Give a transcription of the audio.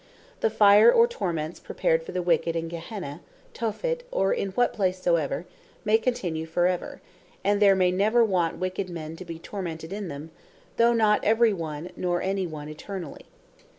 The Fire, or Torments prepared for the wicked in Gehenna, Tophet, or in what place soever, may continue for ever; and there may never want wicked men to be tormented in them; though not every, nor any one Eternally.